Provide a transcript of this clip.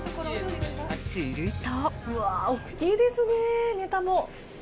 すると。